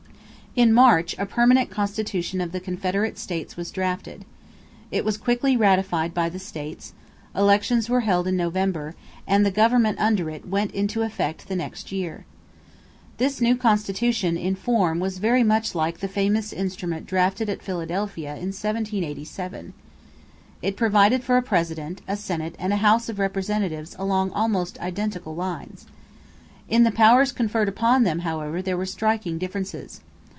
In March, a permanent constitution of the Confederate states was drafted. It was quickly ratified by the states; elections were held in November; and the government under it went into effect the next year. This new constitution, in form, was very much like the famous instrument drafted at Philadelphia in 1787. It provided for a President, a Senate, and a House of Representatives along almost identical lines. In the powers conferred upon them, however, there were striking differences.